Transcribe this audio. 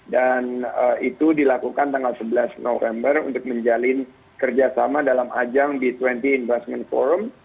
dan itu dilakukan tanggal sebelas november untuk menjalin kerjasama dalam ajang b dua puluh investment forum